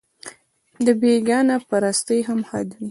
د بېګانه پرستۍ هم حد وي